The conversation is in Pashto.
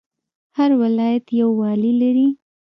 هر ولایت یو والی لري